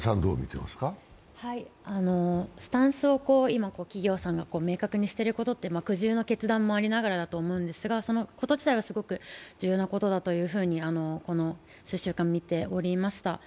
スタンスを今、企業さんが明確にしていることって苦渋の決断もありながらだと思いますが、そのこと自体はすごく重要なことだというふうに、この数週間見ておりました。